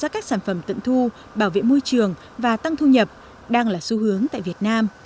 các sản phẩm tận thu bảo vệ môi trường và tăng thu nhập đang là xu hướng tại việt nam